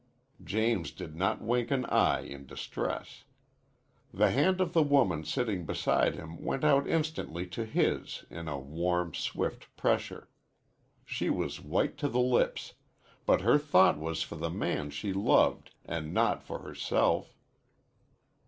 James did not wink an eye in distress. The hand of the woman sitting beside him went out instantly to his in a warm, swift pressure. She was white to the lips, but her thought was for the man she loved and not for herself.